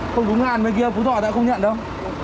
không đúng ngàn bên kia phú thọ tựa không nhận đâu